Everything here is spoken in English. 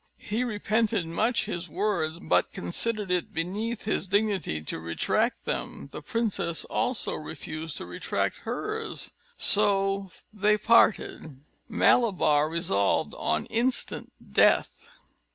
He repented much his words, but considered it beneath his dignity to retract them; the princess also refused to retract hers: so they parted. Malabar resolved on instant death.